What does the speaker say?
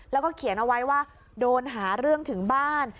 แล้วก็เขียนเอาไว้ว่าโดนหาเรื่องถึงบ้าน